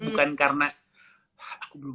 bukan karena aku belum